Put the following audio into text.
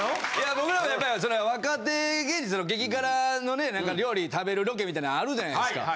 僕らはやっぱり若手芸人激辛のね料理食べるロケみたいなあるじゃないですか。